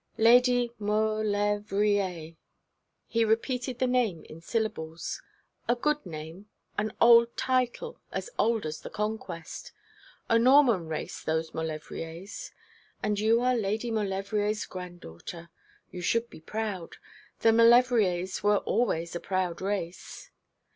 'Lady Mau lev rier.' He repeated the name in syllables. 'A good name an old title as old as the conquest. A Norman race those Maulevriers. And you are Lady Maulevrier's granddaughter! You should be proud. The Maulevriers were always a proud race.'